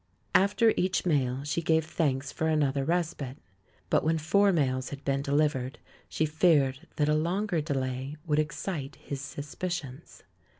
After each mail she gave thanks for another respite. But when four mails had been delivered, she feared that a longer delay would excite his suspicions.